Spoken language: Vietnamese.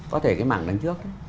có thể cái mảng đằng trước